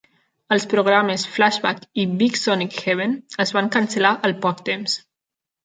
Els programes "Flashback" i "Big Sonic Heaven" es van cancel·lar al poc temps.